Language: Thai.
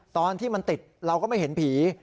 ตอนที่มันติดเราก็ไม่เห็นผี